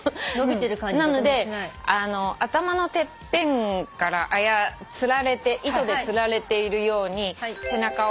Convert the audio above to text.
頭のてっぺんから糸でつられているように背中を。